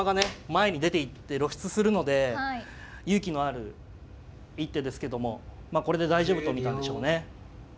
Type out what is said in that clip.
前に出ていって露出するので勇気のある一手ですけどもまあこれで大丈夫と見たんでしょうね。